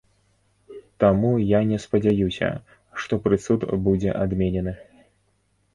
Таму я не спадзяюся, што прысуд будзе адменены.